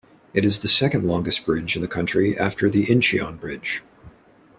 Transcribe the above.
It is the second longest bridge in the country after the Incheon Bridge.